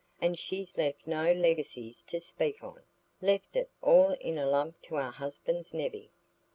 And she's left no leggicies to speak on,—left it all in a lump to her husband's nevvy."